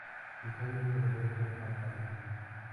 Sus hábitats naturales son pantanos.